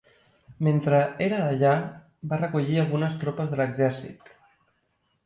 Mentre era allà, va recollir algunes tropes de l'exèrcit.